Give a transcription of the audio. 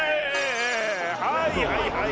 はーいはいはい。